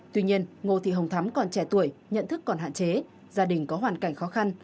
tuy nhiên ngô thị hồng thắm còn trẻ tuổi nhận thức còn hạn chế gia đình có hoàn cảnh khó khăn